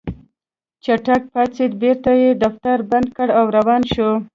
چټک پاڅېد بېرته يې دفتر بند کړ او روان شو.